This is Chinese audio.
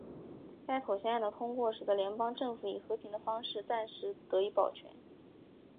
该妥协案的通过使得联邦政府以和平的方式暂时得以保全。